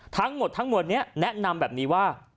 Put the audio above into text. ทั้งหมดทั้งหมดนี้แนะนำแบบนี้ว่า